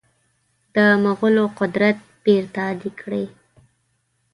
د مغولو قدرت بیرته اعاده کړي.